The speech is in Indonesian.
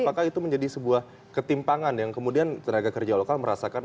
apakah itu menjadi sebuah ketimpangan yang kemudian tenaga kerja lokal merasakan